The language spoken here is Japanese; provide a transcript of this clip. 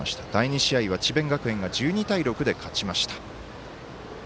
第２試合は智弁学園が１２対６で勝ちました。